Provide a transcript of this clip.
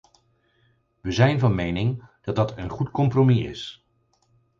We zijn van mening dat dat een goed compromis is.